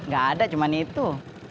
gak ada cuma itu